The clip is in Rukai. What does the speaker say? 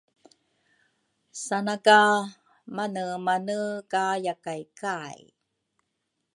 sana ka manemane ka yakay kay.